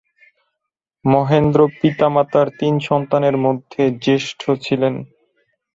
মহেন্দ্র পিতামাতার তিন সন্তানের মধ্যে জ্যেষ্ঠ ছিলেন।